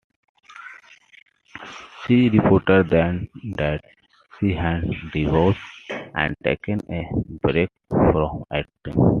She reported then that she had divorced and taken a break from acting.